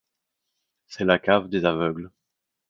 C’est la cave des aveugles.